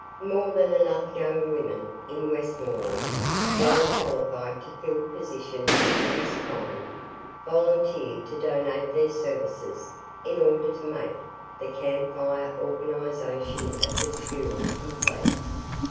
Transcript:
More than enough young women in Westmoreland, well qualified to fill positions of this kind, volunteered to donate their services in order to make the Camp Fire organization of the school complete.